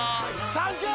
サンキュー！！